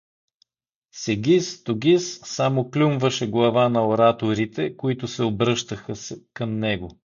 Сегиз-тогиз само клюмваше глава на ораторите, които се обръщаха се към него.